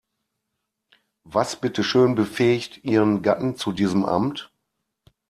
Was bitteschön befähigt ihren Gatten zu diesem Amt?